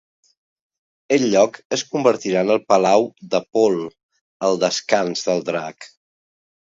El lloc es convertirà en el palau de Pol, el Descans del Drac.